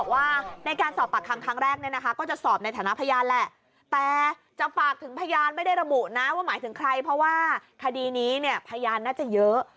ว่าหมายถึงใครเพราะว่าคดีนี้พยานน่าจะเยอะ